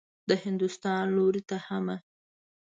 د هندوستان لوري ته حمه.